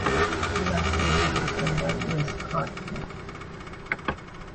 La sede del condado es Hartford.